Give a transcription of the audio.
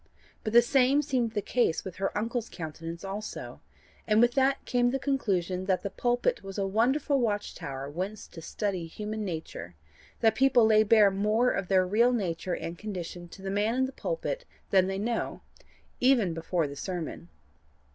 But the same seemed the case with her uncle's countenance also; and with that came the conclusion that the pulpit was a wonderful watch tower whence to study human nature; that people lay bare more of their real nature and condition to the man in the pulpit than they know even before the sermon.